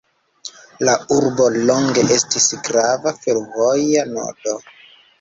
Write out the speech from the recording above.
La urbo longe estis grava fervoja nodo.